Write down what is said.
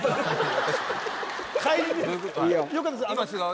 よかったです